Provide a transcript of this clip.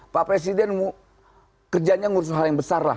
pak presiden kerjanya ngurus hal yang besar lah